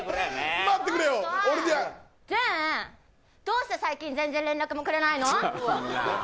どうして最近全然連絡もくれないの？